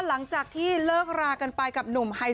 หลังจากที่เลิกรากันไปกับ